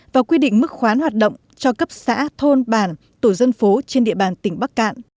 và quy định mức khoán hoạt động cho cấp xã thôn bản tổ dân phố trên địa bàn tỉnh bắc cạn